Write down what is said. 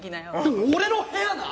俺の部屋な！